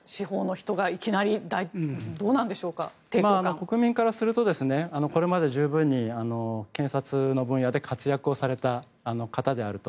国民からするとこれまで十分に検察の分野で活躍をされた方であると。